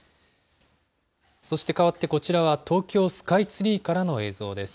そしてかわってこちらは、東京スカイツリーからの映像です。